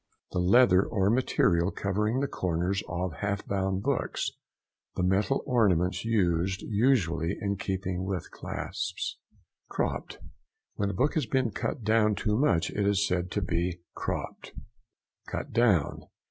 The leather or material covering the corners of half bound books. The metal ornaments used usually in keeping with clasps. CROPPED.—When a book has been cut down too much it is said to be cropped. CUT DOWN.